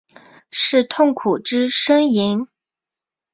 是痛苦之呻吟？